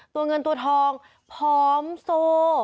ตัวเงินตัวทองผอมโซ